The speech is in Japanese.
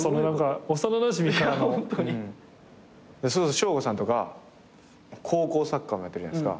彰悟さんとか高校サッカーもやってるじゃないですか。